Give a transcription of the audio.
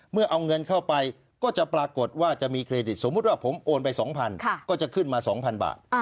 เมื่อเอาเงินเข้าไปก็จะปรากฏว่าจะมีเครดิตสมมุติว่าผมโอนไป๒๐๐ก็จะขึ้นมา๒๐๐บาท